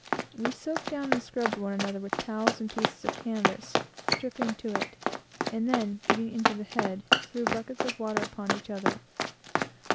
We soaped down and scrubbed one another with towels and pieces of canvas, stripping to it; and then, getting into the head, threw buckets of water upon each other.